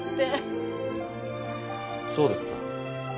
そうですか。